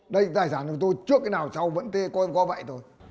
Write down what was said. đây tài sản của tôi trước cái nào sau vẫn có vậy thôi